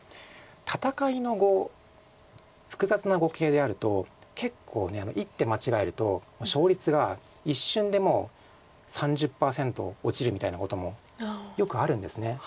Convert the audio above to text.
戦いの碁複雑な碁形であると結構一手間違えると勝率が一瞬でもう３０％落ちるみたいなこともよくあるんです。